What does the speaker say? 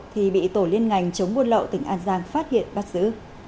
thì bị tổ liên ngành chống buôn lậu tỉnh an giang phát hiện bắt giữ